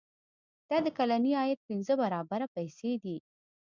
دا د کلني عاید پنځه برابره پیسې دي.